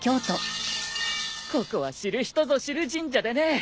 ここは知る人ぞ知る神社でね